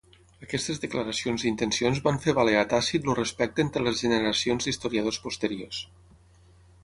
Aquestes declaracions d'intencions van fer valer a Tàcit el respecte entre les generacions d'historiadors posteriors.